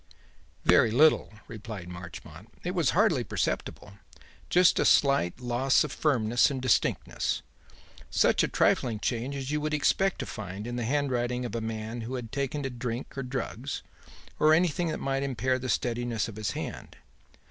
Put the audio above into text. "Very little," replied Marchmont. "It was hardly perceptible. Just a slight loss of firmness and distinctness; such a trifling change as you would expect to find in the handwriting of a man who had taken to drink or drugs, or anything that might impair the steadiness of his hand.